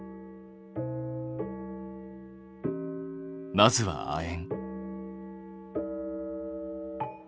まずは亜鉛。